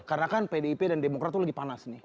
karena kan pdip dan demokrat tuh lagi panas nih